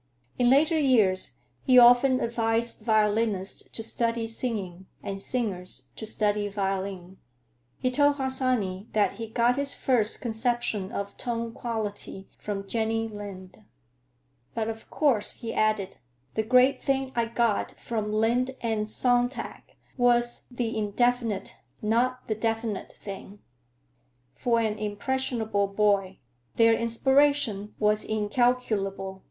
In later years he often advised violinists to study singing, and singers to study violin. He told Harsanyi that he got his first conception of tone quality from Jenny Lind. "But, of course," he added, "the great thing I got from Lind and Sontag was the indefinite, not the definite, thing. For an impressionable boy, their inspiration was incalculable.